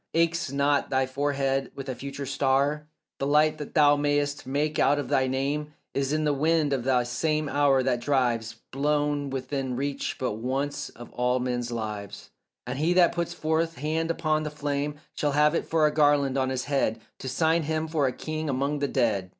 Aches not thy forehead with a future star? The light that thou may'st make out of thy name Is in the wind of this same hour that drives, Blown within reach but once of all men's lives; And he that puts forth hand upon the flame Shall have it for a garland on his head To sign him for a king among the dead.